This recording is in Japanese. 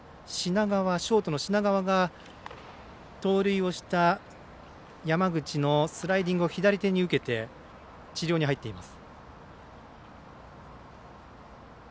ショートの品川が盗塁をした山口のスライディングを左手に受けて治療に入っています。